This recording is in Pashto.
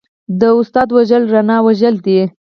د استاد وژل رڼا وژل دي.